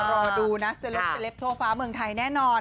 รอดูนะเซลปเซลปทั่วฟ้าเมืองไทยแน่นอน